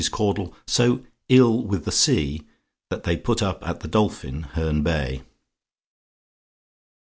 CAUDLE SO "ILL WITH THE SEA," THAT THEY PUT UP AT THE DOLPHIN, HERNE BAY.